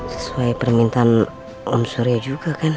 sesuai permintaan om surya juga kan